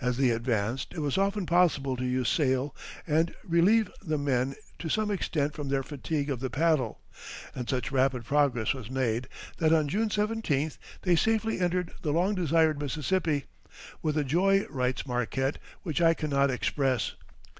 As they advanced it was often possible to use sail and relieve the men to some extent from the fatigue of the paddle, and such rapid progress was made that, on June 17th, they safely entered the long desired Mississippi, "with a joy," writes Marquette, "which I cannot express."